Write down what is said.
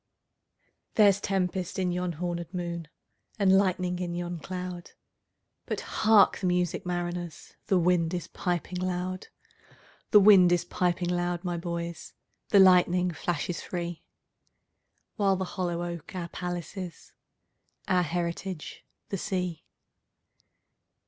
There's tempest in yon hornèd moon, And lightning in yon cloud:But hark the music, mariners! The wind is piping loud; The wind is piping loud, my boys, The lightning flashes free—While the hollow oak our palace is, Our heritage the sea.